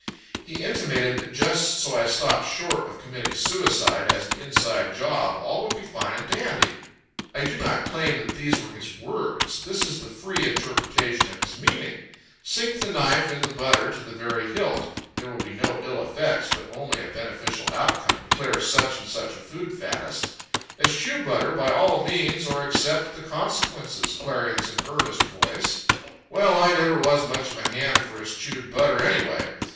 He intimated that just so I stopped short of committing suicide as an inside job all would be fine and dandy. I do not claim that these were his words; this is the free interpretation of his meaning. Sink the knife in the butter to the very hilt there will be no ill effects but only a beneficial outcome declares such and such a food faddist. Eschew butter by all means or accept the consequences, clarions an earnest voice. Well, I never was much of a hand for eschewed butter anyway.